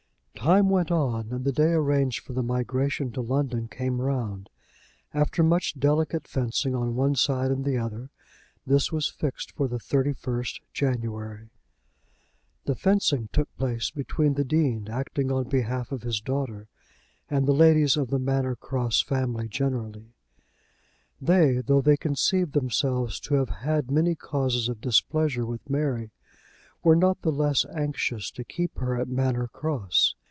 Time went on, and the day arranged for the migration to London came round. After much delicate fencing on one side and the other, this was fixed for the 31st January. The fencing took place between the Dean, acting on behalf of his daughter, and the ladies of the Manor Cross family generally. They, though they conceived themselves to have had many causes of displeasure with Mary, were not the less anxious to keep her at Manor Cross.